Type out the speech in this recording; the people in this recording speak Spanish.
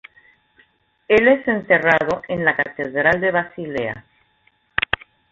El es enterrado en la Catedral de Basilea.